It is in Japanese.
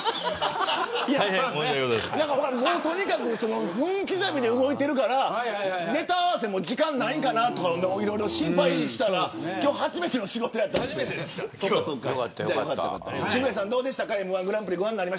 とにかく分刻みで動いてるからネタ合わせも時間ないんかなとか心配したら今日初めての仕事やったんですね。